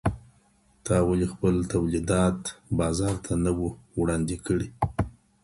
تا ولي خپل تولیدات بازار ته نه وو وړاندې کړي؟